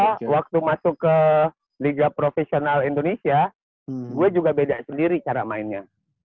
iya waktu masuk ke liga profesional indonesia gue juga beda sendiri cara mainnya